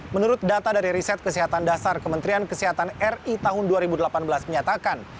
menurut data dari riset kesehatan dasar kementerian kesehatan ri tahun dua ribu delapan belas menyatakan